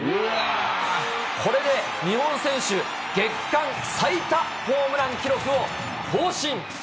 これで日本選手月間最多ホームラン記録を更新。